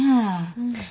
うん。